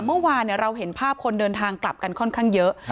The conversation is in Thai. เมื่อวานเราเห็นภาพคนเดินทางกลับกันค่อนข้างเยอะ